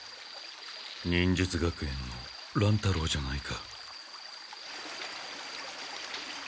忍術学園の乱太郎じゃないか。